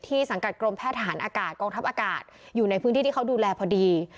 สังกัดกรมแพทย์ทหารอากาศกองทัพอากาศอยู่ในพื้นที่ที่เขาดูแลพอดี